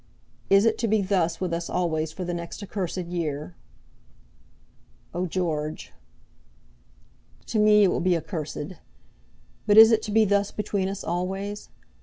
Is it to be thus with us always for the next accursed year?" "Oh, George!" "To me it will be accursed. But is it to be thus between us always?